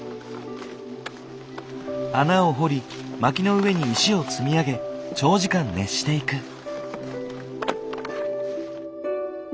穴を掘り薪の上に石を積み上げ長時間熱していく。